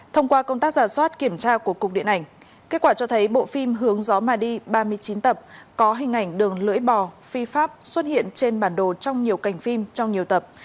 thông qua công tác giả soát kiểm tra của cục điện ảnh kết quả cho thấy bộ phim hướng gió mà đi ba mươi chín tập có hình ảnh đường lưỡi bò phi pháp xuất hiện trên bản đồ trong nhiều cành phim trong nhiều tập